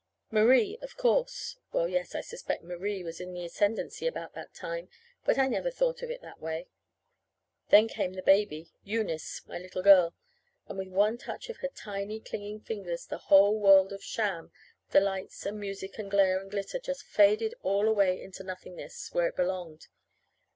Marie, of course. Well, yes, I suspect Marie was in the ascendancy about that time. But I never thought of it that way. Then came the baby, Eunice, my little girl; and with one touch of her tiny, clinging fingers, the whole world of sham the lights and music and glare and glitter just faded all away into nothingness, where it belonged.